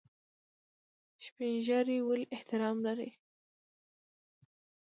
سپین ږیری ولې احترام لري؟